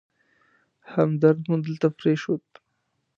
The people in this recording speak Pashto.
همدرد مو دلته پرېښود.